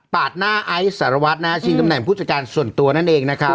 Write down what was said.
หน้าไอซ์สารวัตรชิงตำแหน่งผู้จัดการส่วนตัวนั่นเองนะครับ